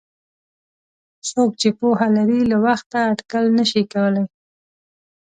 څوک چې پوهه لري له وخته اټکل نشي کولای.